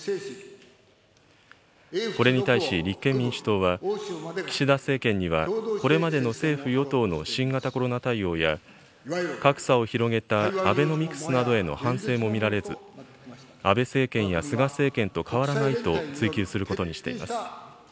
これに対し立憲民主党は、岸田政権にはこれまでの政府・与党の新型コロナ対応や、格差を広げたアベノミクスなどへの反省も見られず、安倍政権や菅政権と変わらないと追及することにしています。